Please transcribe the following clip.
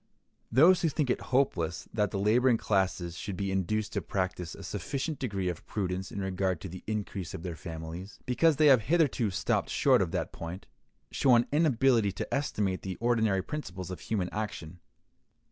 Those who think it hopeless that the laboring classes should be induced to practice a sufficient degree of prudence in regard to the increase of their families, because they have hitherto stopped short of that point, show an inability to estimate the ordinary principles of human action.